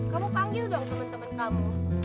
kamu panggil dong temen temen kamu